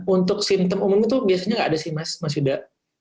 untuk simptom umum itu biasanya nggak ada sih mas mas yuda